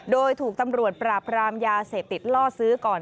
โดยถูกตำรวจปราบรามยาเสพติดล่อซื้อก่อน